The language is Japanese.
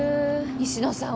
西野さん